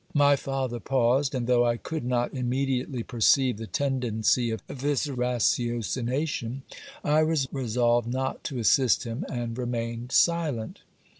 My father paused; and, though I could not immediately perceive the tendency of this ratiocination, I was resolved not to assist him, and remained silent.